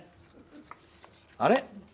あれ？